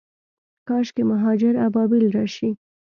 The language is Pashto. کاشکي مهاجر ابابیل راشي